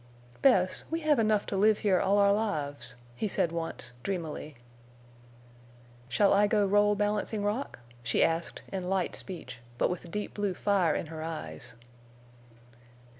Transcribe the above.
"Bess, we have enough to live here all our lives," he said once, dreamily. "Shall I go roll Balancing Rock?" she asked, in light speech, but with deep blue fire in her eyes.